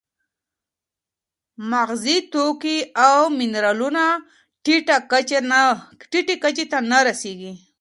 مغذي توکي او منرالونه ټیټه کچه ته نه رسېږي.